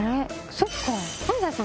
そっか。